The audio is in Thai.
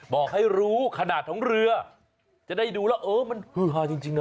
บอกให้รู้ขนาดของเรือจะได้ดูแล้วเออมันฮือฮาจริงนะ